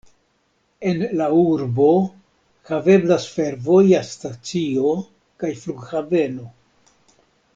En la urbo haveblas fervoja stacio kaj flughaveno.